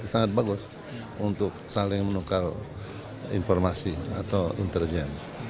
sangat bagus untuk saling menukar informasi atau intelijen